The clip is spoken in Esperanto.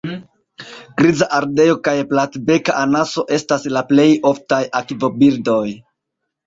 Griza ardeo kaj platbeka anaso estas la plej oftaj akvobirdoj.